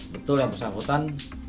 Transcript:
betul yang bersangkutan